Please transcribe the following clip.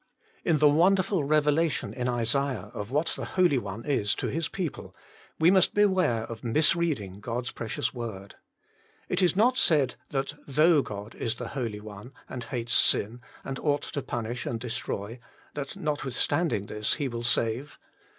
In the wonderful revelation in Isaiah of what the Holy One is to His people, we must beware of misreading God's precious Word. It is not said, that though God is the Holy One, and hates sin, and ought to punish and destroy, that notwithstanding this He will save.